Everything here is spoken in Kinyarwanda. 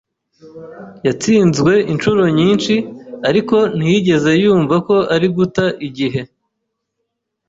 Yatsinzwe inshuro nyinshi, ariko ntiyigeze yumva ko ari uguta igihe